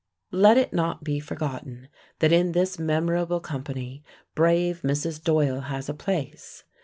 Let it not be forgotten that in this memorable company brave Mrs. Doyle has a place.